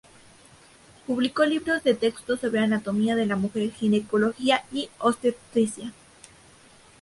Publicó libros de texto sobre anatomía de la mujer, ginecología y obstetricia.